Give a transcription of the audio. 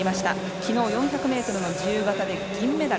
昨日４００ｍ自由形で銀メダル。